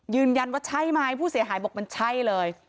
ยืนยันว่าใช่ไหมผู้เสียหายบอกมันใช่เลย